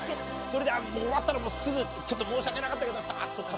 それで終わったらすぐちょっと申し訳なかったけど。